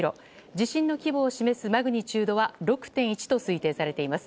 地震の規模を示すマグニチュードは６．１と推定されています。